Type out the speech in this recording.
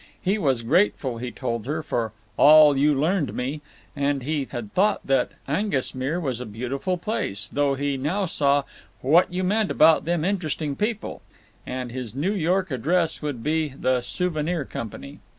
He was grateful, he told her, for "all you learned me," and he had thought that Aengusmere was a beautiful place, though he now saw "what you meant about them interesting people," and his New York address would be the Souvenir Company.